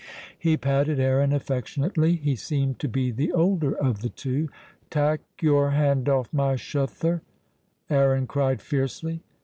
He patted Aaron affectionately; he seemed to be the older of the two. "Tak' your hand off my shuther," Aaron cried fiercely.